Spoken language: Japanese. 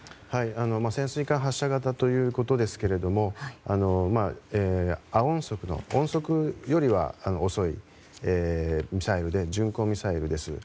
潜水艦発射型ということですが、亜音速という音速よりは遅いミサイルで巡航ミサイルです。